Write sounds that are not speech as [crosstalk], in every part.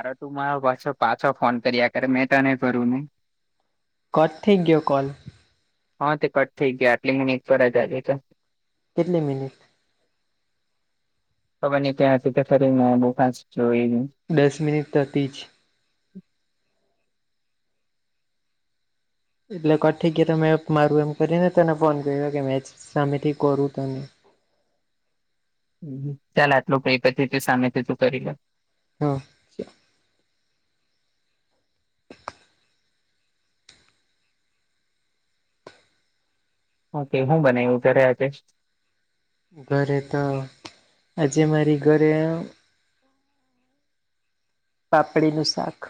અરે તું મારો પાછો પાછો ફોન કરીયા કરે મેં તો નઈ ફરું ને. કથેક ગયો કોલ. હા તે કટ થઈ ગયા આટલી મિનિટ પર જજે તો કેટલી મિનિટ ખબર નહી ત્યાં હતી ફરી બહુ ફાંચ એ દસ મિનિટ થથી જ એટલે ક ઠી છે ત મેં મારું એમ કરીને તને ફોન કર્યો કે મેચ સામેથી કરું તને ચાલ તો લોકો ક પ સામે તું કરી હા. ઓકે હું બનાવ્યું તને આજે ઘરે તો આજે મારી ઘરે પાપડીનું શાક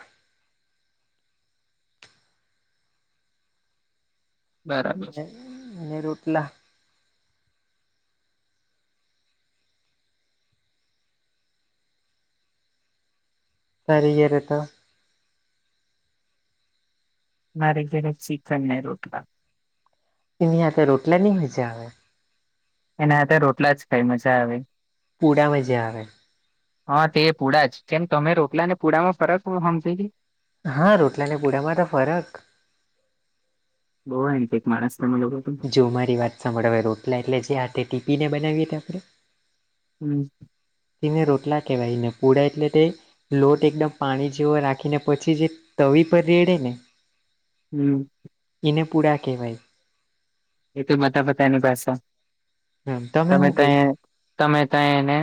બરાબર. અનેને રોટલા તારી ઘરે તો મારે ઘરે સીખણ રોટલા એની સાથે રોટલાની મજા આવે એના રોટલા જ કાઈ મજા આવે પૂડા મજાર આવે હા તે પુડા જ કેમ તમે રોકલા ને પુડામાં ફરક બહુ સાંભળેલી હા રોટલાને પુડામાં તો ફરક બહુ એક માણસમાં જો મારી વાત સાભળય રોટલા એટલે જે હાથે ટીપીને બનાવીએ તો આપણે હમ તેને રોટલા કહેવાયને પૂડા એટલે તે લોટ એકદમ પાણી જેવો રાખીને પછી જે તવી પર રેડે ને હમ. એને પૂડા કેહેવાય એટ બધા પતા એની પસા હમ તમે હું ત કે તમે તં એને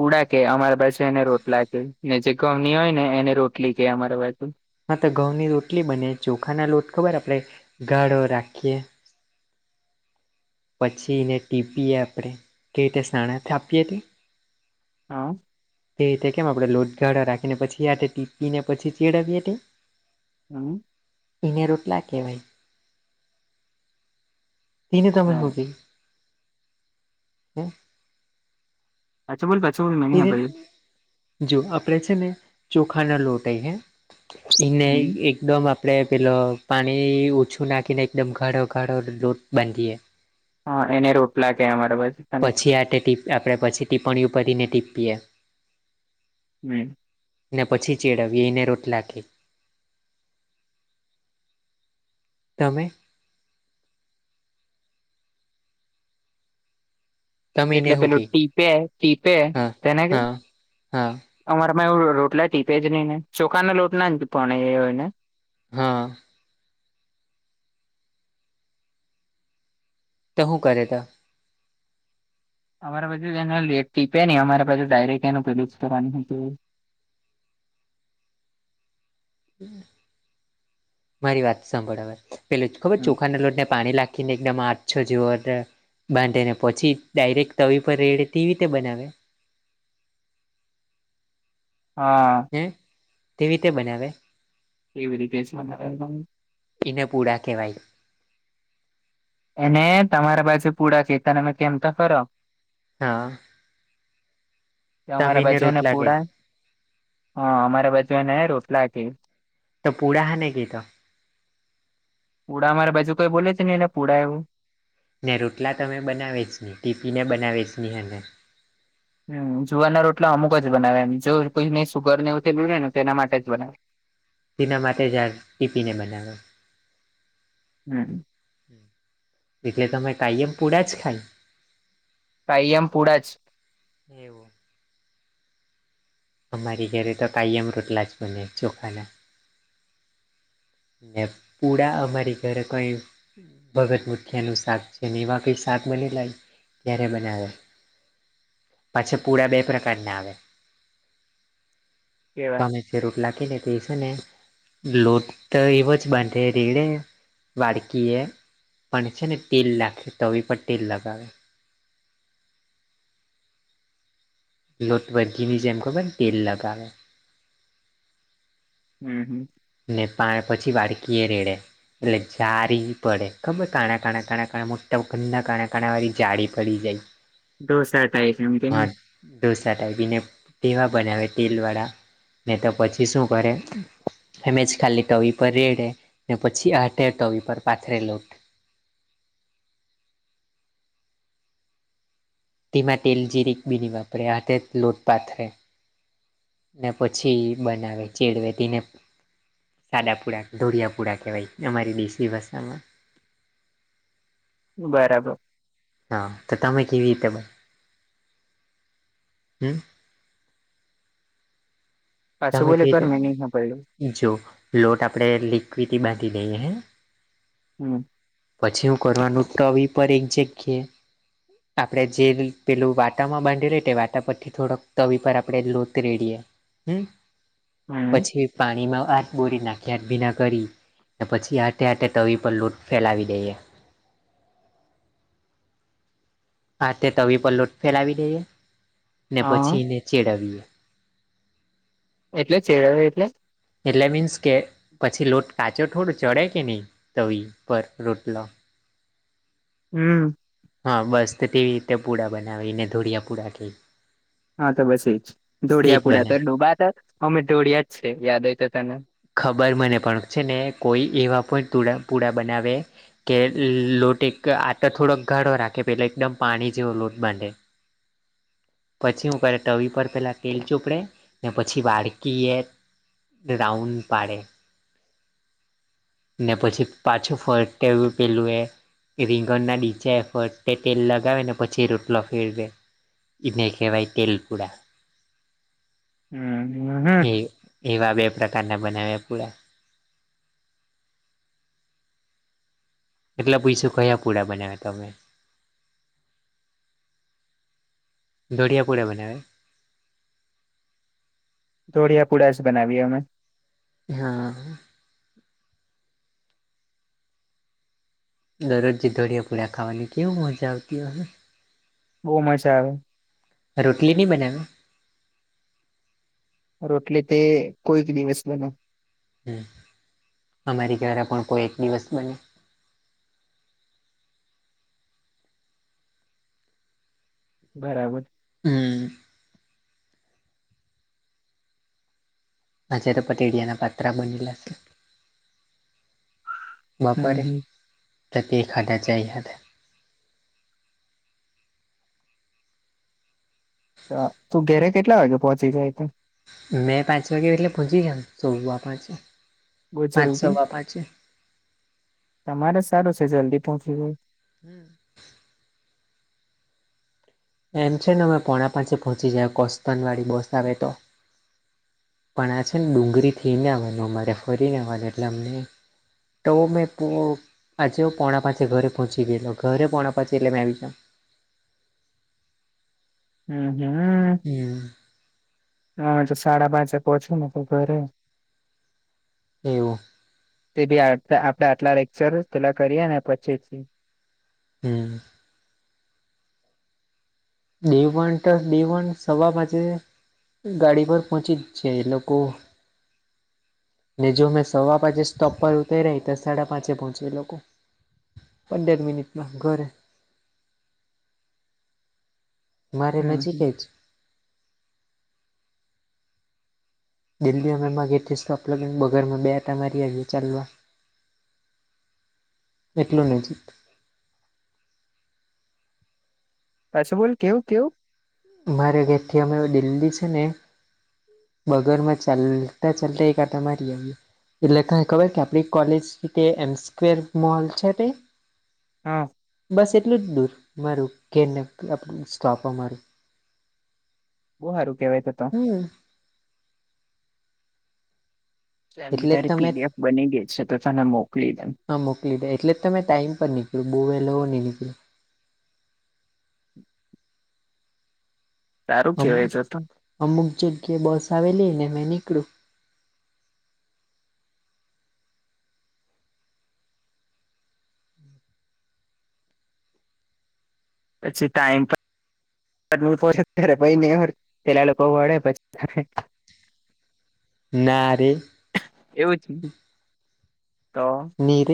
પુડા કે અમારા પાસે એને રોટલા કે ને જે ગમની હોય ને એને રોટલી કે અમારા બાજુ હા તે ઘઉં ની રોટલી બને ચોખા ના લોટ ખબર આપડે ગાઢો રાખીએ. પછી એને ટીપીએ આપણે કે તે સનાના થાપીએ તે હા. તે રીતે કેમ આપડે લોટગાળા રાખીને પછી ટીપીને પછી ચેડાવી હતી. હમ. એને રોટલા કહેવાય તેને તમે હો બરાબર ગઈ હું. સાચું બોલ પાછું હે મહીના તેને ભળે જો આપને છે ને ચોખા ના લ લોટહી હૈ એને એક હમ એકદમ આપડે પેલો પાણી ઓછું નાખીને એકદમ ઘાળો ઘાળો લોટ બાંધીએ. હા એને રોટલા કેેય અમારા બાછુ હને જે હાથે ટીપ આપણે પછી ટીપ્પણીયુ પરિને ટીપીએ. [inaudible] ને પછી ચેડવીએ એને રોટલા કે તમે તમે એને એટલે હું પેલું કે ટીપે ટીપે હા તેને કે હા હા અમારામાં એવું રોટલા ટીપે જ નહી ને ચોખા ના લોટ ના જ પણ એ હોય ને હા તો હું કરે તો અમારા બાજુ એને ટીપે ની અમારા બાજુ ડાયરેક્ટ એનું પેલું જ કરવાની હું કેય એને મારી વાત સાંભળ હવે પેલું ખબર ચોખાના લોટ ને પાણી લાખી ને એકદમ આછો જેવો બાંધે ને પછી ડાયરેક્ટ તવી પર રેડે તેવી રીતે બનાવે. હા હમ્મ તેવી રીતે બનાવે એવ રીતે [unintelligible] એને પૂડા કેવાય. એને તમારા બાજુ પુડા કેય તને મેં કેમ તો ખરો હા કે તમે અમારા બાજુ એને રોટલા કે પુડા હ અમારા બાજુ એને રોટલા કે તો પુડા હા ને કેય તો પુડા મારે બાજુ કોઈ બોલે છે નીને ને પુડા એવું ને રોટલા તમે બનાવે જ ની ટીપીને બનાવી જ ની હેને હમ્મ જુવાના રોટલા અમુક જ બનાવે એમ જો કોઈને સુગર ને એવું થેલું રેય ને તેના માટે જ બનાવે. તેના માટે જ આ ટીપીને બનાવે હમ્મ. એટલે તમે કાયમ પૂડા જ ખાઈ કાયમ પુડા જ. એવું અમારી ઘરે તો કાયમ રોટલા જ બને ચોખાના. ને પૂડા અમારી ઘરે કંઈ ભગત મુથીયાનું શાક છે ને એવા કંઈ શાક બનેલા હોય ત્યારે બનાવે. પાછા પૂડા બે પ્રકાર ના આવે. કેવા તમે જે રોટલા કેય ને તે છે ને લોટ તો એવો જ બાંધે રેડે વાડકી એ પણ છે ને તેલ લાખે તવી પર તેલ લગાવે. લોટ વરગીની જેમ ખબર તેલ લગાવે હમ્મ. ને પા પછી વાળકી એ રેડે એટલે જારી પડે ગમે કાના કાણા કાણા મોટા ધનના કાણા વાળી જાડી પડી જાય ઢોસા ટાઈપ એમ હા કેની ઢોસા ટાઈપીને તેવા બનાવે તેલ વાળા ને તો પછી શું કરે અમે જ ખાલી ટવી પર રેડે ને પછી આટે ટવી પર પાથરે લોટ તેમાં તેલ જીરીક બી ની વાપરે હાથે જ લોટ પાથરે ને પછી બનાવે ચેડવે તેને સાડાપુડા ધોળિયાપુડા કહેવાય અમારી દેશી ભાષામાં. બરાબર હા, તો તમે કેવી રીતે બન, હમ્મ પાછું તમે બોલે કે એક વાર રીતે મે નહી હાંભડયું. જો લોટ આપણે લિક્વિટી બાંધી દઈએ હે. હમ્મ પછી શું કરવાનું? તવી પર એક જગ્યા. આપણે જેવી પેલું વાટામાં બાંધે રેટે, તે વાટા પરથી થોડક તવી પર આપણે લોત રેડીએ. હમ્મ, હમ પછી પાણીમાં હાથ બોરી નાખીએ હાથ ભીના કરી. ને પછી આટે આટે તવી પર લોટ ફેલાવી દઈએ. આતે તવી પર લોટ ફેલાવી દઈએ, ને હા પછી એને ચેડાવીએ. એટલે ચેડવીએ એટલે? એટલે મીન્સકે, પછી લોટ કાચો થોડો, ચડે કે નહીં તવી પર રોટલો. હમ્મ હા બસ તો તેવી રીતે પૂડા બનાવીને એને ધોડિયા પૂડા કે. હાતો બસ એજ, એ જ દોડિયા પુડા બને તર ડોબાત અમે દોડિયા જ છે, યાદ હોય તો તને. ખબર મને, પણ છે ને કોઈ એવા પણ તુડા પુડા બનાવે કે લોટ એક આંટો થોડોક ધારો રાખે પહેલાં એકદમ પાણી જેવો લોટ બાંધે. [inaudible] પછી હું કરે, તવી પર પેલાં તેલ ચોપડે, ને પછી વાળકીએ રાઉન્ડ પાડે. ને પછી પાછું ફરટેવ પેલુંએ રીંગણના ડીચા એ ફરટે તેલ લગાવે, ને પછી રોટલો ફેરવેે. એને કેહેવાય તેલપુડા. [inaudible] હમ હમ એ, એવા બે પ્રકારના બનાવ્યા પુળા. એટલા પૂયછું, કયા પૂડા બનાવ્યા તમે? ધોડિયા પૂડા બનાવે. દોઢિયા પૂડાજ બનાવીએં અમે. હામ્મ દરરોજે દોળિયા પૂળા ખાવાની કેવું મજા આવતી ઓહે. બહુ મજા આવે. રોટલી બી બનાવે? રોટલે તે કોઈ બી દિવસ બને. હમ્મ, અમારી ઘરે પણ કોઈ એક દિવસ બને. બરાબર. હમ્મ આજે તો પતળિયાના પાત્રા બન ગયા છે. હમ બપોરે, હમ તો તે ખાધા ચાય હાથે. તો, તું ઘેરે કેટલા વાગે પહોંચી જાય તે? મેં પાંચ વાગ્યા એટલે પહોંચી જાવ, સવા પાંચે. બહુ પાંચ જલ્દી, સવા પાંચે તમારે સારું છે જલ્દી પહોંચી જાય. હમ્મ એમ છે ને, અમે પોણા પાચે પહોંચી જાય, કોસ્તન વાડી બસ આવે તો. પણ આ છે ને ડુંગરી થીઈને આવવાનું, અમારે ફરીને આવાનું, એટલે અમને તો મેં પો આજે હો પોણા પાંચે ઘરે પહોંચી ગયેલો, ઘરે પોણાં પાંચે એટલે મેં આવી જાવ. હમ્મ હમ્મ હમ્મ આ તો સાડા પાંચે પહોંચે મે તો ઘરે. એવું. તે બી આટકા આપડે આટલા લેક્ચર પેલા કરીએ ને પછી થી. હમ્મ ડી વન ટ ડી વન સવા પાચે ગાડી પર પહોંચી છે એ લોકો ને જો અમે સવા પાંચે સ્ટોપ પર ઉતરી રહી તો સાડા પાંચે પહોંચી એ લોકો પંદર મિનિટમાં ઘરે મારે હમ નજીક હમ જ ડેલી અમે અમારા ઘરેથી સ્ટોપ લગીન બગરમાં બે આટા મારી આવી ચાલવા એટલું નજીક પાછું બોલ કેવું કેવું મારે ઘેરથી અમે દિલ્હી છે ને બગર માં ચાલતા ચાલતા એક આટો મારી આવીએ એટલે કઈ ખબર કે આપડી કોલેજ થીતે એમ સ્ક્વેર મોલ છે તે હા બસ એટલું જ દૂર મારું ઘેર ને સ્ટોપ અમારું બહુ હારુ કેહવાય તો તો હમ એમ તો એટલે જ તારી તમે પીડીએફ બની ગઈ છે તો તને મોકલી દેમ હા મોકલી દે એટલે જ તમે ટાઈમ પર નિકળું બહુ વહેલો હવ ની નીકળું સારું અમ કેવાય તો તો અમુક જગ્યાએ બસ આવેલી ને મેં નીકળું પછી ટાઈમ પણ એટલે હું કોછ અત્યારે ભઈ ને આવ્યા પેલા લોકો વડે પછી [inaudible] ના રે એવું છ તો ની ર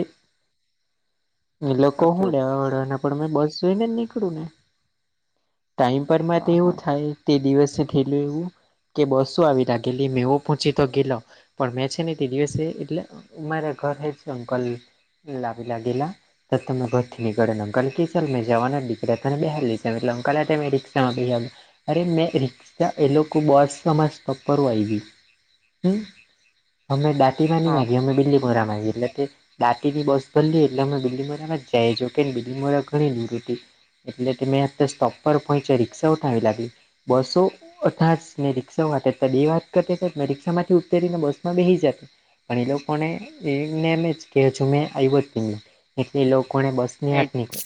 એ તો લોકો કેવું હું લેવા વડવા ના પણ મેં બસ જોઈને જ નીકળું ને ટાઈમ પર માં તો હા હા એવું થાય તે દિવસ થયલું એવું કે બસો આવી લાગેલી મેવો પહોચી તો ગેલો પણ મેં છે ને તે દિવસે એટલે મારા ઘર એક અંકલ લાવી લાગેલા તો તમે ભરથી નીકળેલો ઘર થી સર મેં જવાના દીકરા તને બહાર લઈ જ એટલે ભલા તમે રિક્ષા માં ગઈ આવી અરે મેં રિક્ષા એ લોકો બસ સમા સ્ટોપ પર આવી હમ અમે ડાંટી માં ની હા આવીએ અમે બીલીમોરામાં આવીયે એટલે જે દાટીની બસ ભરલી એટલે અમે બીલીમરામાં જાય છ કે બીલીમરા ઘણી દૂર હતી એટલે કે મેં અત્યારે સ્ટોપ પર પહોંચ્યો રિક્ષાઓ સારી લાગી બસો બસ આજ મેં રિક્ષા માટે બે વાત કરતી મેં રિક્ષા માંથી ઉતરી ને બસ માં બેહી જાત પણ એ લોકોને એ જ્ઞાન અજ કે જો મેં આયવો જ નઈ એટલે એ લોકોને બસ ની આત એ ની કે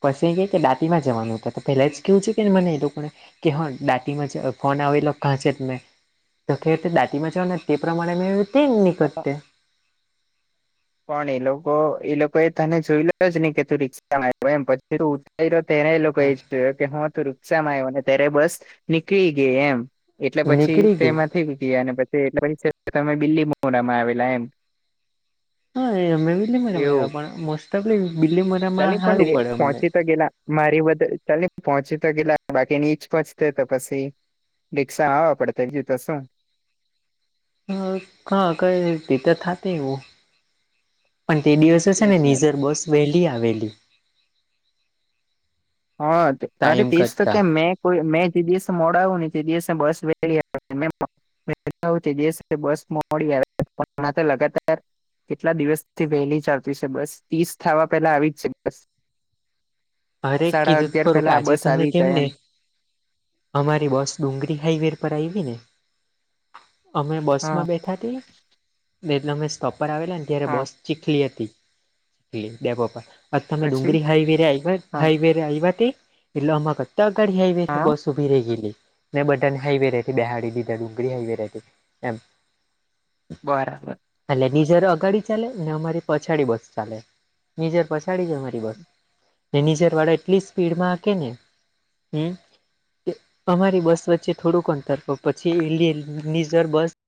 પછી એમ કે દાચ માં જવાનું છે તો પહેલા જ કેવું છે કેને મને એ લોકોને કે ડાંટી માં જ ફોન આવેલો કાં છે તમે તો ખેર તે ડાટીમાં જવાન તે પ્રમાણે મે એવી રીતે નીકળતે પણ એ લોકો એ લોકો એ તને જોઈલોજ નઈ કે તું રિક્ષામ આવ્યો એમ પ કે તું ઊતયરો ત્યારે એ લોકો એ હા જોયો કે હા તું રીક રીક્ષા માં આયવો હે ત્યારે બસ નીકળી ગઈ એમ એટલે પછી નીકળી ગઈ તેમાં થઇ ગયા અને પછી એટલે પ તમે બીલીમોરી આવેલા એમ હા એ અમે બીલીમોરા માં એવું આવ્યા પણ બીલીમ ચાલી પણ એ પહોચી તો ઘેલા મારી બધ ચલની પહોંચી તો ગેલા બાકી નીચ પહોંચતે તો પછી રિક્ષા આવા પડતે તેથી તો શું હ ક કઈ નઈ ઈ તો થાત એવું પણ તે દિવસે છે ને નીઝર બસ વહેલી આવેલી. હા અરે ટાઈમ એઝ તો કરતા કેઉ મેં કો મેં તે દિવસે મોડો આવુંને તે દિવસે બસ વેલી આવી મેં પણ મેં વહેલો આવું તે દીવસે બસ મોડી આવે માર તો લગાતાર કેટલા દિવસથી વહેલી ચાલતી છે બસ તીસ થાવા પેલા આવી જ છે બસ. અરે સાડા કીધુંત અગિયાર ખરું પેલા આ આજે બસ તને આવી કેમ જાય ને? એમ અમારી બસ ડુંગરી હાઈવે પર આયવી ને અમે હા બસમાં બેઠાથી બે એટલે અમે સ્તોપ આવેલા ને ત્યારે હા બસ ચીખલી હતી ચીખલી ડેપો પર અન તમે પછી ડુંગરી હાઈવે રે આયવા હા હાઈવે આઈવા તે એટલે અમ કતાર હાઇવે થી હા બસ ઊભી રે ગઈ લી. ને બધાને હાઈવે રેતે બેહાડી દીધા ડુંગળી હાઈવે રેતી એમ. બરાબર એટલે નીજર અગાડી ચાલે અમારી પછાડી બસ ચાલે નીજર પછાડી જ અમારી બસ. નો નીજર વાળા એટલી સ્પીડમાં હાંકે ને હમ, કે અમારી બસ વચ્ચે થોડુંક અંતર હો પછી ઇલીયન નીઝર બસ.